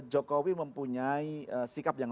jokowi mempunyai sikap yang